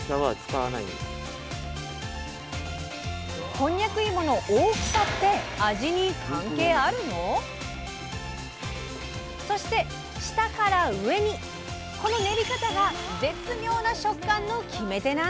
こんにゃく芋の大きさって味に関係あるの⁉そして下から上にこの練り方が絶妙な食感の決め手なんだとか！